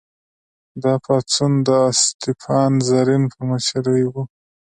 دا پاڅون د اسټپان رزین په مشرۍ و.